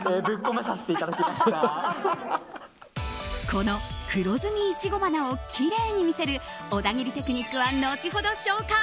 この黒ずみイチゴ鼻をきれいに見せる小田切テクニックは後ほど紹介。